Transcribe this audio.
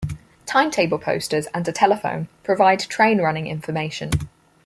Timetable posters and a telephone provide train running information.